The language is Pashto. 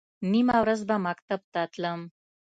نیمه ورځ به مکتب ته تلم.